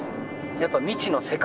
やっぱ未知の世界。